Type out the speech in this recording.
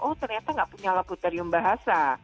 oh ternyata nggak punya laboratorium bahasa